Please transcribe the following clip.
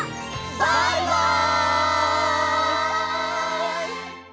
バイバイ！